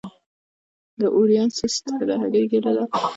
د اووریان سیسټ د هګۍ ګېډه ده.